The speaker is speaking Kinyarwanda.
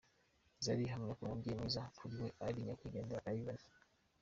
Zari ahamyako umubyeyi mwiza kuri we ari nyakwigendera Ivan.